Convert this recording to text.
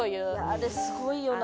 あれすごいよな。